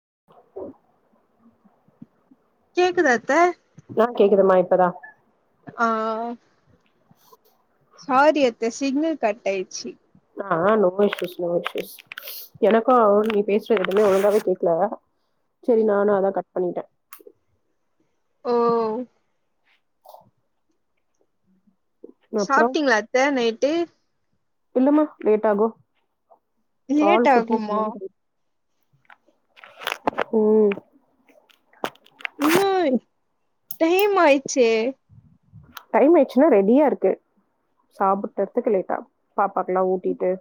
உ கேக்குதா அத்த ஆ கேக்குதும்மா இப்பதா ஆ [inaudible] சாரி அத்த சிக்னல் கட் ஆயிடுச்சு ஆஹ் நோ இஷ்யூஸ் நோ இஷ்யூஸ் எனக்கும் அவ நீ பேசுற எதுமே ஒழுங்காவே கேக்கல சரி நானு அதா கட் பண்ணிட்டே ஓ அப்புறோ சாப்பிட்டீங்களாத்த நைட் ட்டு இல்லமா லேட் ஆகு லேட் ஆகுமா உம் இன்னு டைம் ஆயிடுச்சே டைம் ஆயிடுச்சுன்னா ரெடியா இருக்கு சாப்படுறதுக்கு லேட்டாகு பாப்பாக்கலா ஊட்டிட்டு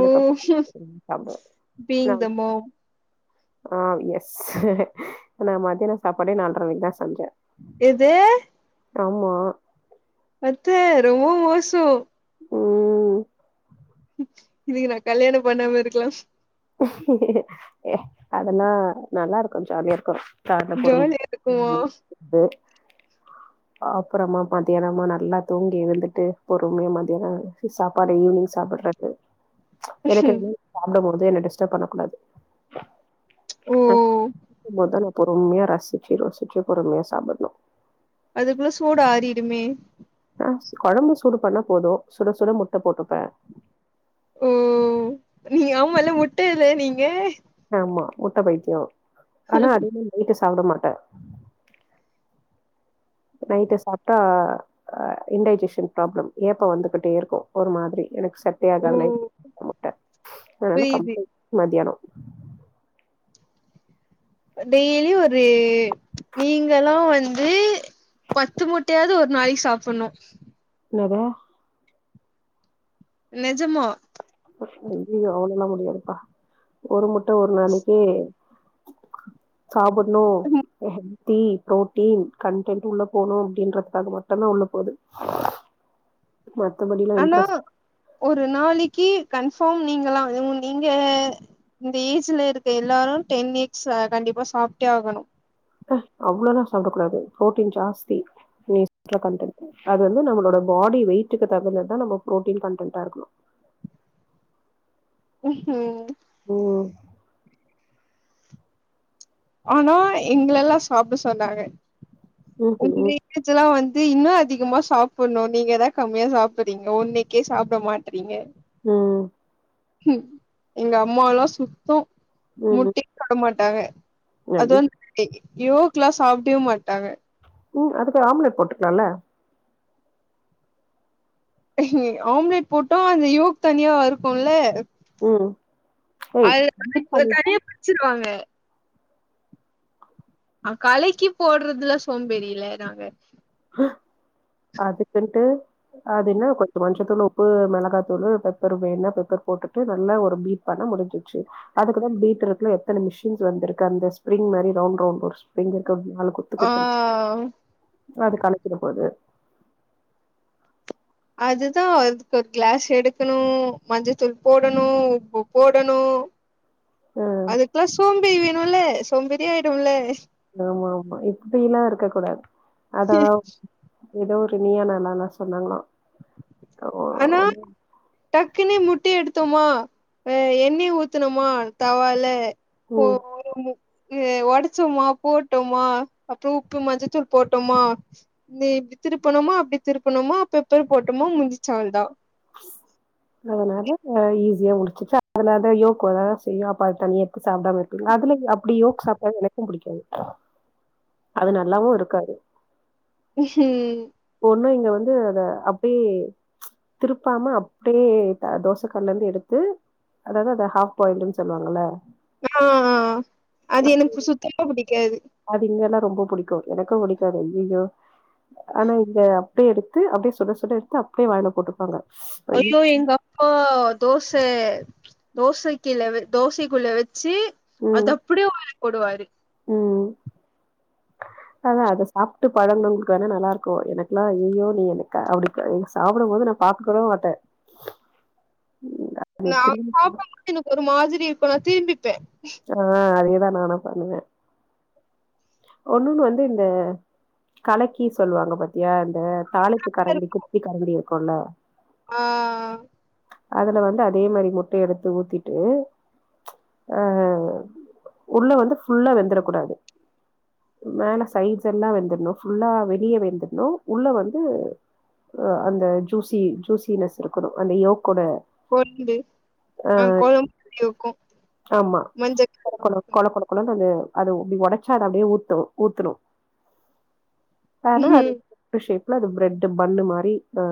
அதுக்கப்புறோ சாப்டுவே being the mom ah yes நா மத்தியான சாப்பாடே நாள்ர மணிக்குதா செஞ்சே இது ஆமா அத்த ரொம்ப மோச உம் இதுக்கு நா கல்யாணம் பண்ணாம இருக்கலா ஹே அதெல்லா நல்லா இருக்கு ஜாலியா இருக்கு ஜாலியா இருக்குமா [inaudible] அப்புறமா மத்தியானமா நல்லா தூங்கி எழுந்துட்டு பொறுமையா மத்தியான வச்ச சாப்பாட ஈவினிங் சாப்படுறது எனக்கு எதுவு சாப்பிட முடியு அது என்ன டிஷ்டப் பண்ணக்கூடாது ஓ ஆஹ் மொதல்ல பொறுமையா ரசிச்சு ருசிச்சு பொறுமையா சாப்படணு அதுக்குள்ள சூடு ஆறிடுமே ஆஹ் கொழம்பு சூடு பண்ணா போது சுட சுட முட்டை போட்டுப்பே ஓ நீ ஆமால்ல முட்ட இல்ல நீங்க ஆமா முட்டை பைத்தியம் ஆனா அதுதா லேட்டஸ்ட் சாப்பிட மாட்ட நைட் சாப்பிட்டா அஹ் இன்டைஜஷன் ப்ராப்ளம் ஏப்பம் வந்துகிட்டே இருக்கு ஒரு மாதிரி எனக்கு செட்டே ஓ ஆகாது நைட் முட்டை அதனால் புரியுது கம்பள் மதியானோ டெய்லி ஒரு நீங்கல்லா வந்து பத்து முட்டையாவது ஒரு நாளைக்கு சாப்பிடணு என்னதா நெஜமா அய்யய்யோ அவ்ளோவ எல்லா முடியாதுப்பா ஒரு முட்ட ஒரு நாளைக்கே சாப்பிடணு ஹெல்தி புரோட்டீன் கன்டென்ட் உள்ள போணு அப்படின்றதுக்காக மட்டுந்தா உள்ள போகுது மத்தபடி எல்லா ஆனா இன்ட்ரெஸ்ட் ஒரு நாளைக்கு கன்ஃபார்ம் நீங்கலாம் நீங்க இந்த ஏஜ்ல இருக்க எல்லாரும் டென் எக்ஸ் கண்டிப்பா சாப்பிட்டே ஆகணு அப்பா அவ்வளவு எல்லா சாப்பிடக் கூடாது ப்ரோட்டீன் ஜாஸ்தி கண்டன்ட் அது வந்து நம்மளோ பாடி வெயிட்டுக்கு தகுந்ததுதா நம்ம பு்ரோட்டீன் கன்டன்டா இருக்கணு உம் உஹம் உம் ஆனா எங்கள எல்லா‌ சாப்பிட சொன்னாங்க ம்ஹும் [inaudible] வந் து இன்னு அதிகமா சாப்புட்ணு நீங்க தா கம்மியா சாப்பட்றீங்க ஒன்னுக்கே சாப்ட மாட்டறீங்க உம் எங்கம்மால்லா சுத்தோ ம் ம் [inaudible] மாட் டாங்க அது ஐயோ! வந் [inaudible] யோக்ல்லா சாப்டவே மாட்டாங்க உம் அதுக்கு ஆம்ப்லேட் போட்டுக்கலால்ல ஆம்ப்லேட் போட்டோ அந்த யோக் தனியா இருக்குல்ல ம் ஏய் பீட் அத [inaudible] பண்ணிட்டு தனியா பிரிச்சிருவாங்க அஹ் கலக்கி போட்றதுல சோம்பேறியில்ல நாங்க அதுக்குன்ட்டு அதுல கொஞ்ச மஞ்சத்தூளு உப்பு மிளகாத்தூளு பெப்பரு வேணா பெப்பர் போட்டுட்டு நல்லா ஒரு பீட் பண்ண முடிஞ்சிச்சி அதுக்கு தா பீட்ருக்குனு எத்தன மிஷின்ஸ் வந்துருக்கு அந்த ஸ்ப்ரிங் மாரி ரவுண் ரவுண்ட் ஒரு ஸ்ப்ரிங்கிரு ஆஹ் அது கலக்கிற போது அது தா அதுக்கொரு கிளாஸ் எடுக்கணு மஞ்சத்தூள் போடணு உப்பு போடணும் அ அதுக்கெல்லா சோ ம்பேறி வேணுல்ல சோம்பேறி ஆயிடுல்ல ஆமா ஆமாம் இப்படியெல்லாம் இருக்கக் கூடாது அதான் ஏதோ ஒரு நீயா நானால்ல சொன்னாங்களாம் [inaudible] டக்குன்னே முட்டைய எடுத்தோமா ஹ எண்ணெய ஊத்தனுமா தவாலு ம். போறமு இத ஒடச்சோமா போட்டோமா அப்புறம் உப்பு மஞ்சத்தூள் போட்டோமா நீ இப்படி திருப்பணுமா அப்படி திருப்பணுமா பெப்பர் போட்டோமா முடிஞ்ச் அவள்தா அதனால இ ஏ உனக்கு அதனால யோக் வர தா செய்யு அப்ப அத தனியா எத்து சாப்பிடாம இருக்குல அதுல அப்படியே யோக் சாப்ட எனக்கும் பிடிக்காது அது நல்லாவும் இருக்காது ம் ஆனா இங்க வந்து அத அப்படியே திருப்பாம அப்படியே தோச கல்ல இருந்து எடுத்து அதாவது ஹாஃப் பாயில்ன்னு சொல்லுவாங்கள ஆ அது எனக்கு சுத்தமா பிடிக்காது அது இங்கணா ரொம்ப புடிக்கும் எனக்கும் பிடிக்காது ஐயய்யோ ஆனா இங்க அப்டியே எடுத்து அப்டியே சுட சுட எடுத்து அப்டியே வாயில போட்டுப்பாங்க ஐயோ அய்யோ எங்க அப்பா தோச தோசைக்கீழ வச் தோசைக்குள்ள வச் ச்சி அது அப்டியே வாய்ல போடுவாரு ம் ம் அதான் அத சாப்ட்டு பழங்கவங்களுக்கு வேணா நல்லா இருக்கும் எனக்கெல்லாம் ஐய்யய்யோ நீ எனக்கு அப்டி சாப்பிடும் போது நான் பாத்தருவே மாட்டே நீ நா திரும்பி சாப்ட போது எனக்கு ஒரு மாதிரி இருக்குல்ல திரும்பிப்பே ஆ அது எப் அதான் நானு பண்ணுவே ஒன்னுன்னு வந்து இந்த கலக்கி சொல்லுவாங்க பாத்தியா அந்த தாளப்பு கரண்டி குட்டி கரண்டி கொள்ள ஆ அதுல வந்து அதே மாரி முட்டைய எடுத்து ஊத்திட்டு ஆ உள்ள வந்து ஃபுல்லா வெந்துறக்கூடாது மேல ஸைஸ் எல்லாம் வெந்துர்ணும் ஃபுல்லா வெளிய வெந்துடணும் உள்ள வந்து அ அந்த ஜூசி ஜூசினஸ் இருக்கணும் அந்த யோ கூட கொழும்பு ஆ கொழும்பு இருக்கும் ஆமா மஞ்ச கொல கொல கொலன்னு அந்த அது அப்பிடி உடச்சா அது அப்டியே ஒத் ட்டும் ஊத்தணு ஆனா ம் அது அஷேம் ஃபுல்லா இந்த பிரெட் பண்ணு மாரி ஆ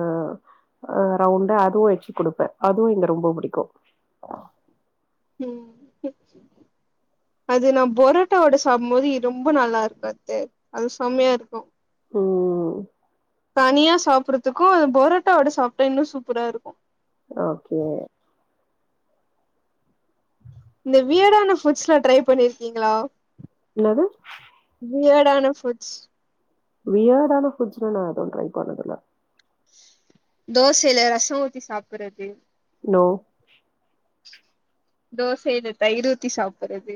ஆ ரவுண்டா அதுவும் வச்சு குடுப்பே அதுவும் இங்க ரொம்ப புடிக்கு ம் ஹிம் அது நான் பரோட்டாவோட சாப்பிடும்போது ரொம்ப நல்லா இருக்குமது அது சம்மையா இருக்கும் ம் தனியா சாப்புடுறதுக்கும் பொரோட்டாவோட சாப்ட்டா இன்னும் சூப்பரா இருக்கு ஓகே இந்த வியர்டான ஃபுட்ஸ்லா ட்ரை பண்ணிருக்கீங்களா என்னாது வியர்டான ஃபுட்ஸ் வியர்டான ஃபுட்ஸ்லா நா எதுவும் ட்ரை பண்ணதுல்ல தோசையில ரசம் ஊத்தி சாப்புறது நோ தோசை இத தயிர் ஊத்தி சாப்புறது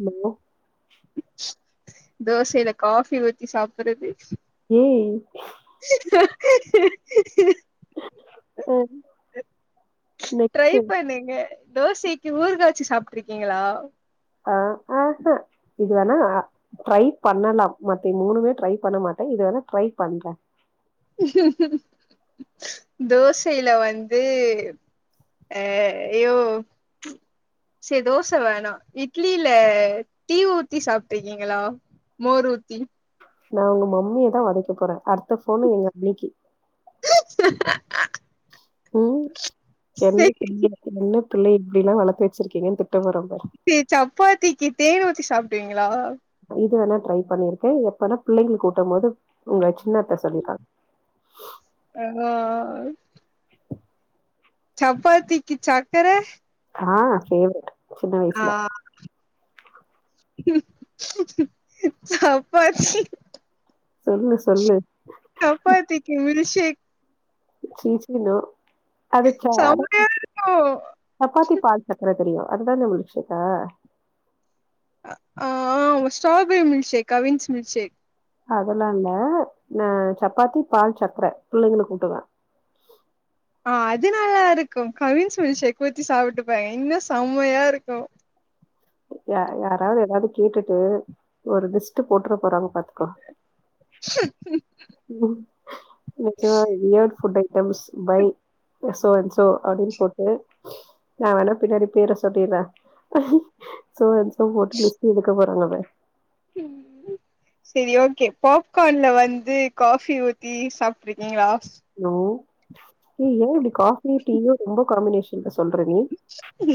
இல்லை தோசைல காஃபி ஊத்தி சாப்புடுறது ஏய் ஹ ஹ ஹ அ ட்ரை நெக்ஸ்ட்டு பண்ணுங்க தோசைக்கு ஊர்கா வச்சி சாப்பிட்டு இருக்கீங்களா ஆஹ் ஆஹஹ இது வேணா ட்ரை பண்ணலா மத்த மூணுமே ட்ரை பண்ண மாட்டே இது வேணா ட்ரை பண்ற தோசையில வந்து அஹ் யோ ச தோச வேணா இட்லில டீ ஊத்தி சாப்பிட்டிருக்கீங்களா மோர் ஊத்தி நா உங்க மம்மிய தா ஒதைக்க போறே அடுத்த ஃபோனு எங்க அண்ணிக்கு ஹ உம் செரி என்ன [inaudible] புள்ளைய இப்படில்லா வளத்து வச்சிருக்கீங்கன்னு தி சேரி சப்பாத்திக்கு தேனூத்தி சாப் டுவிங்களா இது வேணா ட்ரை பண்ணிருக்கே எப்பனா பிள்ளைங்களுக்கு ஊட்டம் போது உங்க சின்னத்தை சொல்லிருக்காங்க அ சப்பாத்திக்கு சக்கர ஆஹ் ஃபேவரட் சின்ன வயசுல சாப்பாச்சி சொல்லு சொல்லு சப்பாத்திக்கு மி ல்க் ஷேக் சீ சீ னா அது ச செம்மையா இருக்கு சப்பாத்தி பால் சக்கர தெரியு அது தானே வுல்ஷிதா ஆ strawberry milk shake Cavin's milk shake அதெல்லா இல்ல நா சப்பாத்தி பால் சக்கர பிள்ளைங்களுக்கு ஊட்டுவே ஆ அது நல்லா இருக்கு கவின்ஸ் மில்க் ஷேக் வச்சு சாப்ட்டு பயங்கர செம்மையா இருக்கு யாரா யாராவுது எதாவுது கேட்டுட்டு ஒரு லிஸ்ட்டு போட்ர போறாங்க பாத்துக்கோ [inaudible] ம்மா [unintelligible] டம்ஸ் பை சோ அன் சோ அப்டினு போட்டு நா வேணா பின்னாடி பேர சொல்லிர்ர சோ அன் சோ போட்டு லிஸ்ட்டு எடுக்க சொன்னது சரி ஓகே பாப்கான்ல வந்து காஃபி ஊத்தி சாப்ட்டு இருக்கீங்களா நோ ஏ இப்டி காபி டீயும் ரொம்ப காம்பினேஷன் ல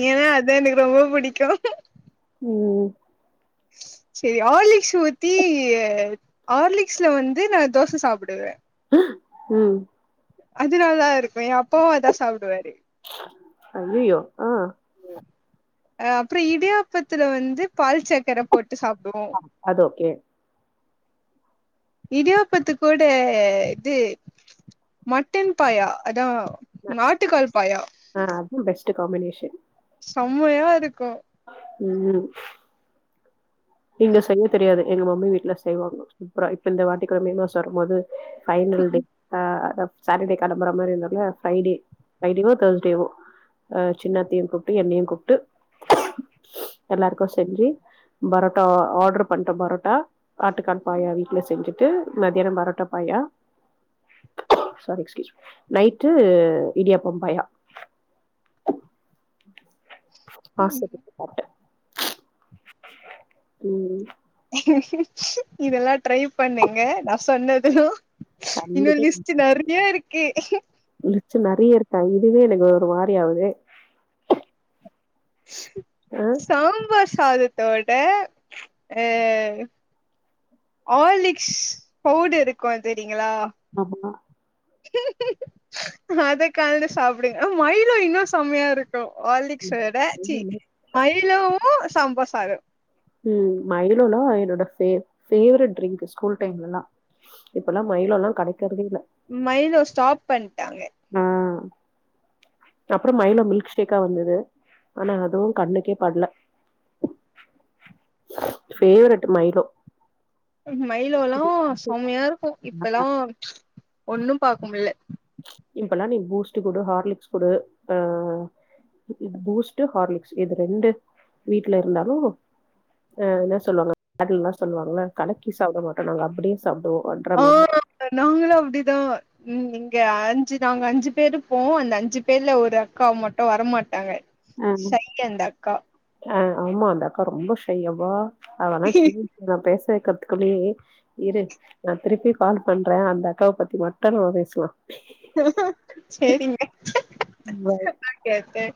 ஏன்ன அதா எனக்கு ரொம்பொ புடிக்கும் ம் ம் சரி ஆர்லிக்ஸ் ஊத்தி ஆர்லிக்ஸ்ல வந்து நா தோச சாப்டுவேன் ம் அது நல்லா இருக்கும் என் அப்பாவும் அதா சாப்டுவாரு அய்யயோ ஆ ஆ அப்றோ இடியாப்பத்துல வந்து பால் சக்கரை போட்டு சாப்டுவோ ஆ அது ஒகே இடியாப்பத்துக் கூட இது மட்டன் பாயா அதா நாட்டுக்கால் பாயா ஆ அதுதான் பெஸ்ட் காம்பினேஷன் செம்மையா இரு க்கு ம் இங்க செய்ய தெரியாது எங்க மம்மி வீட்ல செய்வாங்க சூப்ரா இப்ப இந்த வாட்டி கூட மே மாசம் வரும் போது ஃஃபைனல் டே ஆ சாட்டடே கிளம்புற மாரி இருந்தோல ஃப்ரைடே ஓ தேர்ஸ்டேவோ சின்னத்தையும் கூப்ட்டு எண்ணெயும் கூப்ட்டு எல்லாருக்கும் செஞ்சு பரோட் ஆர்டர் பண்ண பரோட்டா ஆட்டுக்கால் பாயா வீட்ல செஞ்சுட்டு மதியானம் பரோட்டா பாயா ஸாரி நைட்டு இடியாப்பம் பாயா ஆஸ்வதிச்சு சாப்டேன் [inaudible] ம் இதெல்லா ட்ரை பண்ணுங்க நா சொன்னது இன்னு லிஸ்ட் நற்யா இருக் கு மிச்சோ நறைய இருக்கா இதுவே எனக்கு ஒரு மாரி ஆவுது சாம்பாஸ் சாதத்தோட ஆ ஆர்லிக்ஸ் பவ்டுருக்கு தெரிங்களா ஆமா அத கலந்து சாப்டுங்க மய்லோ இன்னு செமையா இருக் கு ஹார்லிக்ஸ் விட சி என்னன்னா ‌மைலோ உம் சாம்பார் சாதோ ம் மைலோலா என்னோட பே பேவ்ரட் டரிங்க் ஸ்கூல் டைம்லலா இப்பலா மைலோலா கடைக்கறதே இல்ல மைலோ ஸ்டாப் பண் ட்டாங்க ஆ அப்றோ மைலோ மில்க் ஷேக்கா வந்தது ஆனா அதுவு கண்ணுக்கே பட்ல பேவ்ரட் மைலோ மய்லோலாம் செம்மையா இருக்கும் இப்பலாம் ஒண்ணும் பாக்க முடில இப்பலா நீ பூஸ்டு குடு ஹார்லிக்ஸ் குடு அ இது பூஸ்டு ஹார்லிக்ஸ் இது ரெண்டு வீட்ல இருந்தாலும் அ என்ன சொல்லுவாங்க அது சொல்லுவாங்கள கலக்கி சாப்ட மாட்டோம் நாங்க அப்டி ஆ நாங்களும் அப்டிதான் ம் இங்க அஞ்சு நாங்க அஞ்சு பேரு போம் அந்த அஞ்சு பேர்ல ஒரு அக்கா மட்டும் வரமாட்டாங்க ஆ சை அந்த அக்கா ஆ ஆமா அந்த அக்கா ரொம்ப ஷை அவா அதனா சும் நா பேசே கத்துக்கணே இரு நா திருப்பி கால் பண்றேன் அந்த அக்காவ பத்தி மட்டும் நம்ம பேஸ்லாம் சேரிங்க பேசலாம். Okay okay